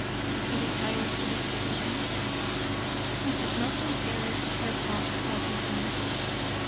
He retired to the kitchen. Mrs. Norton caressed her puffs lovingly.